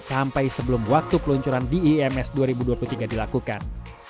sampai sebelum waktu peluncuran di ims dua ribu dua puluh tiga dilakukan